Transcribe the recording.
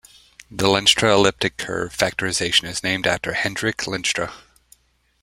The Lenstra elliptic curve factorization is named after Hendrik Lenstra.